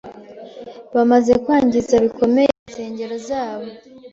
Bamaze kwangiza bikomeye insengero zabo,